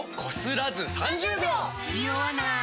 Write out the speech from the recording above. ニオわない！